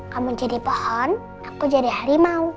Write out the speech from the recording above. kamu jadi pohon aku jadi harimau